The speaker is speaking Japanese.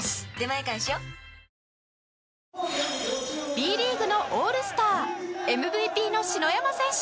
Ｂ リーグのオールスター ＭＶＰ の篠山選手